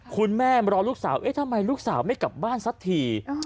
คุณแม่มารอลูกสาวเอ๊ะทำไมลูกสาวไม่กลับบ้านสักที